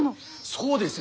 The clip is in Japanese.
そうです。